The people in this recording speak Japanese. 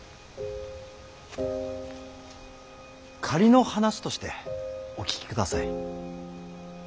仮の話としてお聞きください。